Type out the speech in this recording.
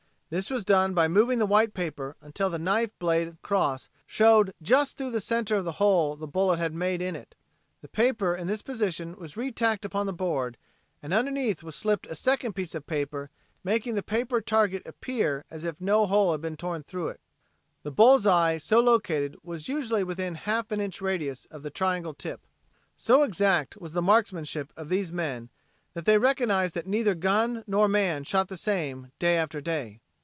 This was done by moving the white paper until the knife blade cross showed through the center of the hole the bullet had made in it. The paper in this position was retacked upon the board, and underneath was slipped a second piece of paper making the paper target appear as if no hole had been torn through it. The bull's eye so located was usually within a half inch radius of the triangle tip. So exact was the marksmanship of these men that they recognized that neither gun nor man shot the same, day after day.